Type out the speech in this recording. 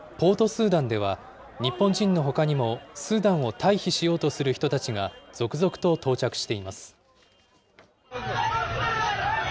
スーダンでは、日本人のほかにもスーダンを退避しようとする人たちが続々と到着しています。